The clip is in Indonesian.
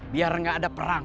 biar gak ada perang